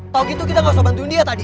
kalau gitu kita gak usah bantuin dia tadi